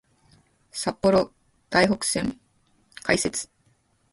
札幌・台北線開設